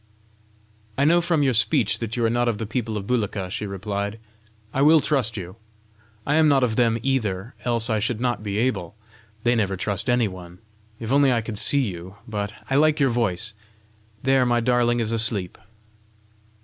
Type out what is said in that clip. "I know by your speech that you are not of the people of Bulika," she replied; "I will trust you! I am not of them, either, else I should not be able: they never trust any one If only I could see you! But I like your voice! There, my darling is asleep!